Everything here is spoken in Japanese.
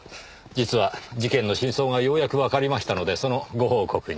実は事件の真相がようやくわかりましたのでそのご報告に。